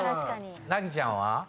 和ちゃんは？